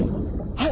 はい！